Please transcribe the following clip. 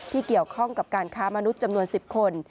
เกี่ยวข้องกับการค้ามนุษย์จำนวน๑๐คน